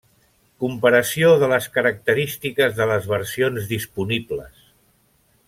Comparació de les característiques de les versions disponibles.